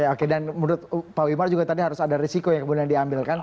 oke dan menurut pak wimar juga tadi harus ada risiko yang kemudian diambilkan